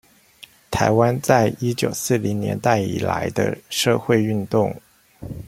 臺灣在一九四零年代以來的社會運動